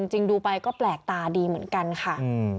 จริงดูไปก็แปลกตาดีเหมือนกันค่ะ